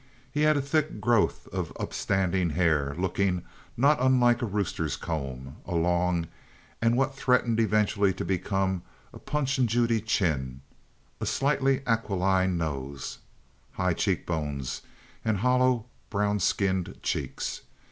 He had a thick growth of upstanding hair looking not unlike a rooster's comb, a long and what threatened eventually to become a Punch and Judy chin, a slightly aquiline nose, high cheek bones, and hollow, brown skinned cheeks.